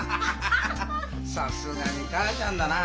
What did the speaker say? さすがにかあちゃんだな。